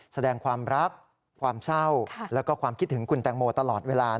แสดงความรักความเศร้าแล้วก็ความคิดถึงคุณแตงโมตลอดเวลา